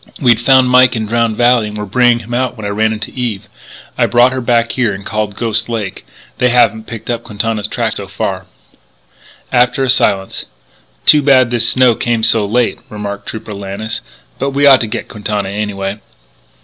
We'd found Mike in Drowned Valley and were bringing him out when I ran into Eve.... I brought her back here and called Ghost Lake.... They haven't picked up Quintana's tracks so far." After a silence: "Too bad this snow came so late," remarked Trooper Lannis. "But we ought to get Quintana anyway."